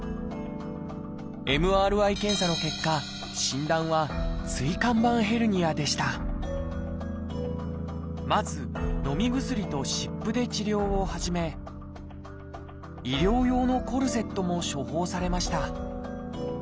ＭＲＩ検査の結果診断はまずのみ薬と湿布で治療を始め医療用のコルセットも処方されました。